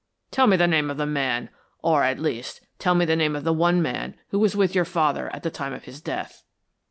Tell me the name of the man, or, at least, tell me the name of the one man who was with your father at the time of his death."